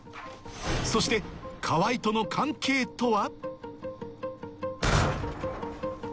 そして川合との関係とは？